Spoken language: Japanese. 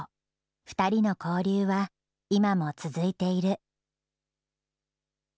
２人の交流は今も続いている。